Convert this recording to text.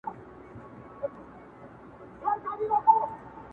• دوه او درې بد صفتونه یې لا نور وي -